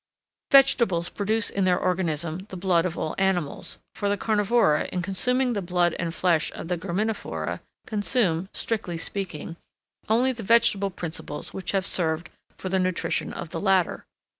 Vegetables produce in their organism the blood of all animals, for the carnivora, in consuming the blood and flesh of the graminivora, consume, strictly speaking, only the vegetable principles which have served for the nutrition of the latter.